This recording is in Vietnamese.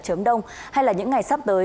chớm đông hay là những ngày sắp tới